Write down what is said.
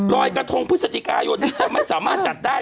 รอยกระทงพฤศจิกายนที่จะไม่สามารถจัดได้